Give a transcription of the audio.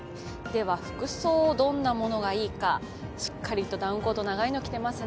服装、どんなものがいいかしっかりとダウンコート、長いのを着ていますね。